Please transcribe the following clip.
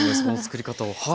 この作り方を。